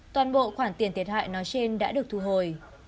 toàn bộ khoản tiền thiệt hại nói trên đã được thu hồi